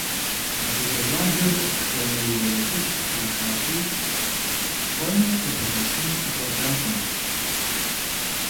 Адыгэ щӀалэр тхуэнейрэ утыку къихьати, тхуэми къыпэлъэщын къыкъуэкӀакъым.